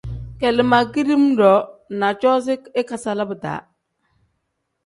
Kele ma kidiim-ro na coozi ikasala bidaa.